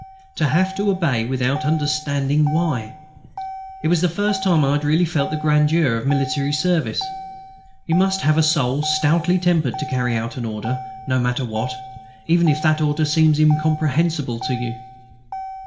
To have to obey without understanding why! It was the first time I had really felt the grandeur of military service. You must have a soul stoutly tempered to carry out an order no matter what, even if that order seems incomprehensible to you.